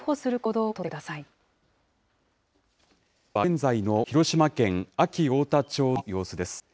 こちらは、現在の広島県安芸太田町の様子です。